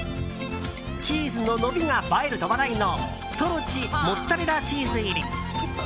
チーズの伸びが映えると話題のｔｏｒｏｃｈｉモッツァレラチーズ入り。